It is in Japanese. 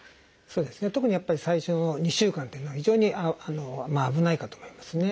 特にやっぱり最初の２週間っていうのは非常に危ないかと思いますね。